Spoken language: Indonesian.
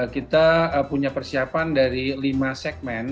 kita punya persiapan dari lima segmen